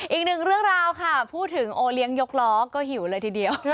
อีกหนึ่งเรื่องราวค่ะพูดถึงโอเลี้ยงยกล้อก็หิวเลยทีเดียว